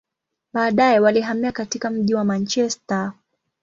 Baadaye, walihamia katika mji wa Manchester.